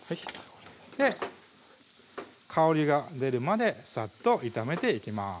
香りが出るまでさっと炒めていきます